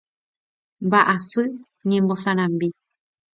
Mba'asy ñembosarambi.